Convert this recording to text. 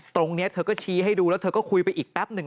ตรงนี้เธอก็ชี้ให้ดูแล้วเธอก็คุยไปอีกแป๊บหนึ่ง